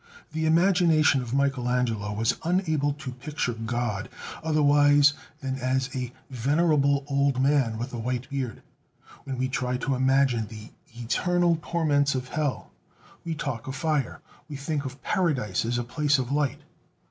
The imagination of Michelangelo was unable to picture God otherwise than as a venerable old man with a white beard. When we try to imagine the eternal torments of hell, we talk of fire; we think of Paradise as a place of light.